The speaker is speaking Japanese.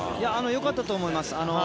よかったと思います。